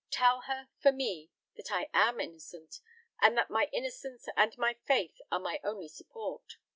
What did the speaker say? Tell her, for me, that I am innocent, and that my innocence and my faith are my only support.